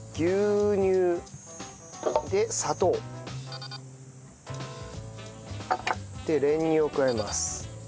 で砂糖。で練乳を加えます。